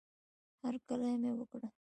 هرکلی مې وکړه